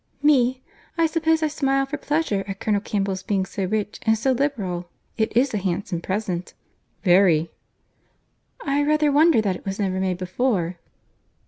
"Me!—I suppose I smile for pleasure at Colonel Campbell's being so rich and so liberal.—It is a handsome present." "Very." "I rather wonder that it was never made before."